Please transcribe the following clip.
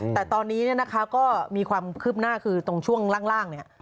แต่ตอนนี้ก็มีความคืบหน้าคือตรงช่วงล่างนี่